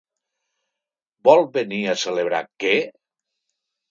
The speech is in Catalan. Vol venir a celebrar que?